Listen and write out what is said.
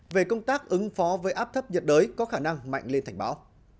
về công tác ứng phó với áp thấp nhiệt đới có khả năng mạnh lên thành bão